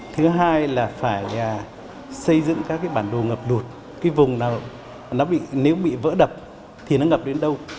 thứ hai là phải xây dựng các cái bản đồ ngập lụt cái vùng nào nếu bị vỡ đập thì nó ngập đến đâu